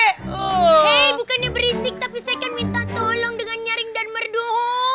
hei bukannya berisik tapi saya akan minta tolong dengan nyaring dan merdo